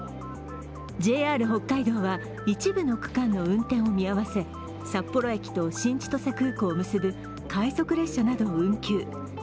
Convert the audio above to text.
ＪＲ北海道は一部の区間の運転を見合せ札幌駅と新千歳空港を結ぶ快速列車などを運休。